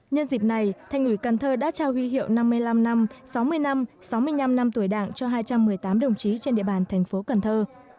nhân dịp này thành ủy cần thơ đã trao huy hiệu năm mươi năm năm sáu mươi năm sáu mươi năm năm tuổi đảng cho hai trăm một mươi tám đồng chí trên địa bàn thành phố cần thơ